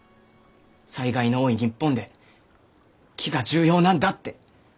災害の多い日本で木が重要なんだって。